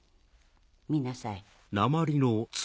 見なさい。